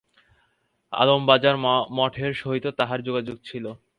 আলমবাজার মঠের সহিত তাঁহার যোগাযোগ ছিল।